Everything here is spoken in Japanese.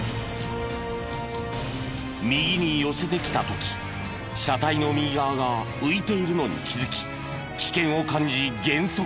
右に寄せてきた時車体の右側が浮いているのに気づき危険を感じ減速。